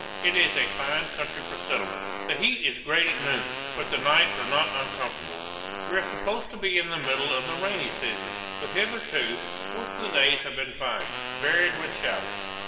It is a fine country for settlement. The heat is great at noon; but the nights are not uncomfortable. We were supposed to be in the middle of the rainy season, but hitherto most of the days had been fine, varied with showers.